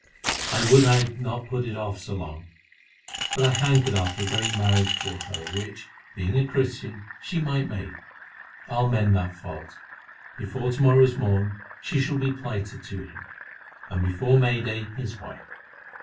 I would I had not put it off so long; but I hankered after a great marriage for her, which, being a Christian, she well might make. I'll mend that fault; before to morrow's morn she shall be plighted to him, and before May day his wife.